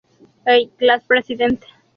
Hey, Class President!